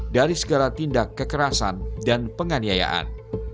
dari segala tindak kekerasan dan penganiayaan